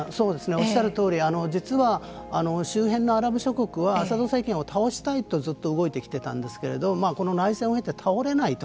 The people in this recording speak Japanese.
おっしゃるとおり実は周辺のアラブ諸国はアサド政権を倒したいとずっと動いてきてたんですけれどもこの内戦を経て倒れないと。